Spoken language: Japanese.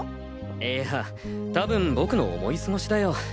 いや多分僕の思い過ごしだよ。